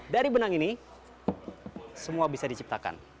dari benang ini semua bisa diciptakan